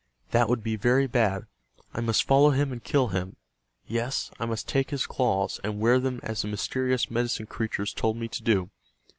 That would be very bad. I must follow him and kill him. Yes, I must take his claws, and wear them as the mysterious Medicine Creatures told me to do.